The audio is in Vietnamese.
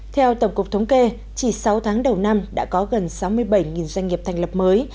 theo tổng cục thống kê chỉ sáu tháng đầu năm đã có gần sáu mươi bảy doanh nghiệp thành lập mới